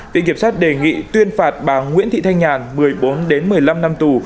viện kiểm sát đề nghị tuyên phạt bà nguyễn thị thanh nhàn một mươi bốn một mươi năm năm tù